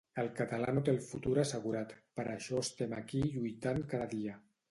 El català no té el futur assegurat per això estem aqui lluitant cada dia